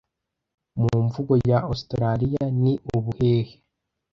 Mu mvugo ya Australiya ni ubuhehe